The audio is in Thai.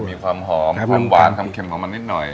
มีความหอมความหวานความเค็มของมันนิดหน่อย